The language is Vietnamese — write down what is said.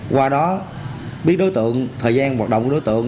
qua đó biết đối tượng thời gian hoạt động của đối tượng